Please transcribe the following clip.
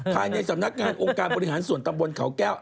ภายในสำนักงานองค์การบริหารส่วนตำบลเขาแก้ว